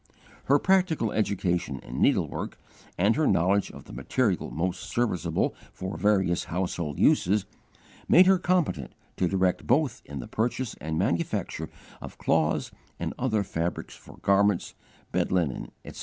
Her practical education in needlework, and her knowledge of the material most serviceable for various household uses, made her competent to direct both in the purchase and manufacture of cloths and other fabrics for garments, bed linen, etc.